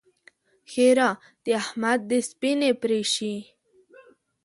ښېرا: د احمد دې سپينې پرې شي!